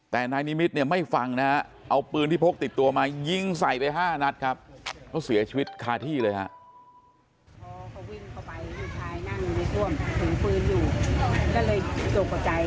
แต่นายนิมิตรเนี่ยไม่ฟังนะฮะเอาปืนที่พกติดตัวมายิงใส่ไป๕นัดครับเขาเสียชีวิตคาที่เลยฮะ